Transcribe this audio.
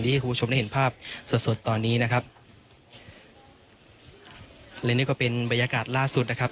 ให้คุณผู้ชมได้เห็นภาพสดสดตอนนี้นะครับและนี่ก็เป็นบรรยากาศล่าสุดนะครับ